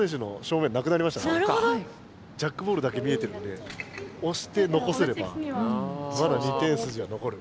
ジャックボールだけ見えてるんで押してのこせればまだ２点すじはのこる。